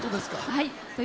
はい。